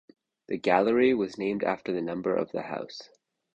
The gallery was named after the number of the house.